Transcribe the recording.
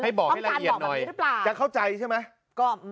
บอกให้ละเอียดหน่อยจะเข้าใจใช่ไหม